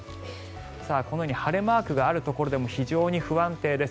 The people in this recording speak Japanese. このように晴れマークがあるところでも非常に不安定です。